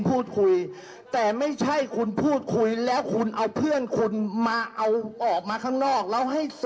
เพราะตอนนี้เงื่อนไขและจุดยืนของพักเพื่อไทยก็ยังคงเหมือนเดิมค่ะ